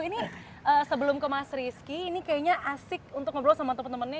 ini sebelum ke mas rizky ini kayaknya asik untuk ngobrol sama temen temennya